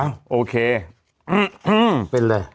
อ้าวโอเคเป็นเลย